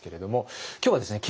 今日はですね